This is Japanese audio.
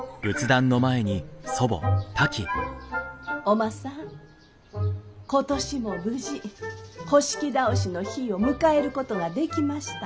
おまさん今年も無事倒しの日を迎えることができました。